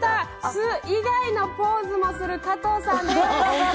「ス」以外のポーズもする加藤さんです。